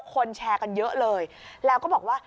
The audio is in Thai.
คนแชร์กันเยอะเลยแล้วก็บอกว่า